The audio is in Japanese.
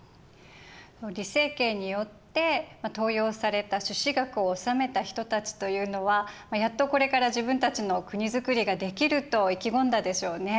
李成桂によって登用された朱子学を修めた人たちというのはやっとこれから自分たちの国づくりができると意気込んだでしょうね。